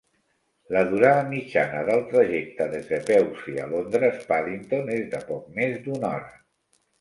La durada mitjana del trajecte des de Pewsey a Londres Paddington és de poc més d'una hora.